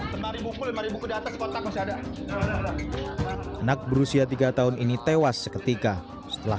hai senarimu pulang dari buku data sepotong ada anak berusia tiga tahun ini tewas seketika setelah